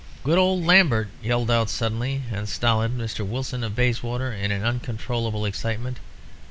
"'Good old Lambert!' yelled out suddenly the stolid Mr. Wilson of Bayswater, in an uncontrollable excitement.